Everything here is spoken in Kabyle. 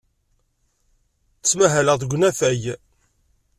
Ttmahaleɣ deg unafag.